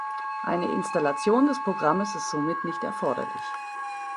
Eine Installation des Programms ist somit nicht erforderlich.